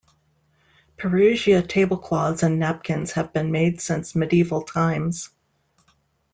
Perugia tablecloths and napkins have been made since medieval times.